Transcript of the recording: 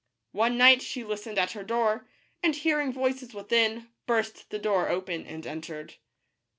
One night she listened at her door, and hearing voices THE BLUE BIRD. within, burst the door open and entered.